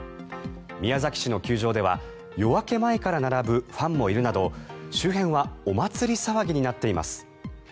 宮崎市の球場では夜明け前から並ぶファンもいるなど周辺はお祭り騒ぎになっています。